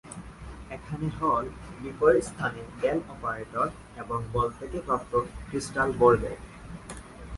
এখানে হল বিপরীত স্থানে ডেল অপারেটর এবং বল থেকে প্রাপ্ত ক্রিস্টাল ভরবেগ।